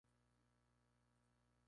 Florece y fructifica de febrero a junio.